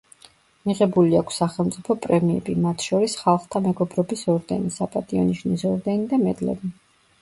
მიღებული აქვს სახელმწიფო პრემიები, მათ შორის ხალხთა მეგობრობის ორდენი, საპატიო ნიშნის ორდენი და მედლები.